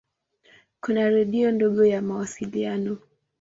Kuna redio ndogo ya mawasiliano.